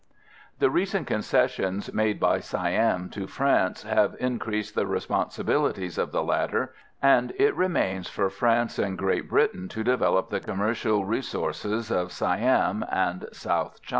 The recent concessions made by Siam to France have increased the responsibilities of the latter, and it remains for France and Great Britain to develop the commercial resources of Siam and South China.